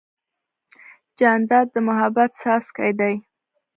جانداد د محبت څاڅکی دی.